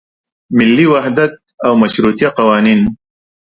ملي وحدت او مشروطیه قوانین.